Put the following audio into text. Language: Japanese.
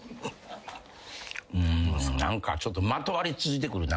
うん何かちょっとまとわりついてくるな。